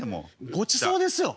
ごちそうですよ